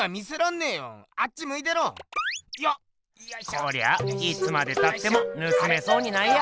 こりゃあいつまでたっても盗めそうにないや。